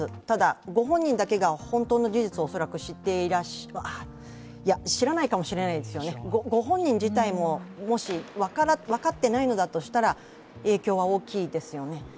ただ、ご本人だけが本当の事実をいや、知らないかもしれないですよね、ご本人自体も、もし分かっていないのだとしたら、影響は大きいですよね。